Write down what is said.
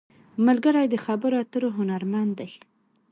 ملګری د خبرو اترو هنرمند دی